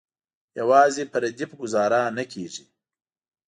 یوازې په ردیف ګوزاره نه کیږي.